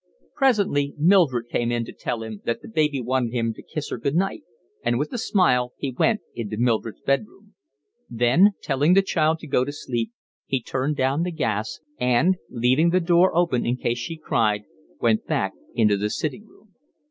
Presently Mildred came in to tell him that the baby wanted him to kiss her good night, and with a smile he went into Mildred's bed room. Then, telling the child to go to sleep, he turned down the gas and, leaving the door open in case she cried, went back into the sitting room.